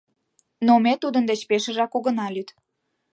Но ме тудын деч пешыжак огына лӱд.